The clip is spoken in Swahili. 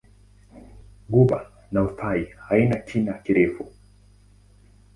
Ghuba ya Uthai haina kina kirefu.